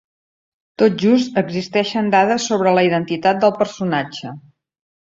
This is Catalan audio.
Tot just existeixen dades sobre la identitat del personatge.